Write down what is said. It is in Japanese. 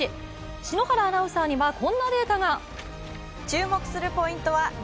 篠原アナウンサーには、こんなデータが。